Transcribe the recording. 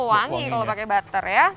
wangi kalau pakai butter ya